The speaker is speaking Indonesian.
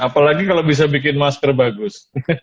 apalagi kalau bisa bikin masker bagus